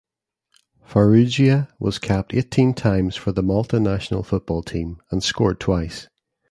Farrugia was capped eighteen times for the Malta national football team and scored twice.